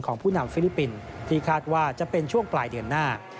ผู้นำฟิลิปปินส์ที่คาดว่าจะเป็นช่วงปลายเดือนหน้า